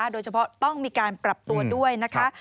โดยเฉพาะต้องมีการปรับตัวด้วยนะคะ